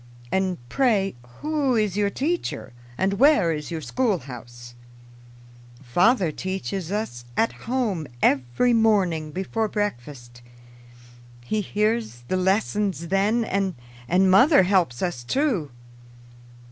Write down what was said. "And pray, who is your teacher, and where is your schoolhouse?" "Father teaches us at home every morning before breakfast. He hears the lessons then, and mother helps us too."